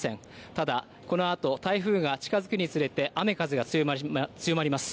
ただ、このあと台風が近づくにつれて、雨風が強まります。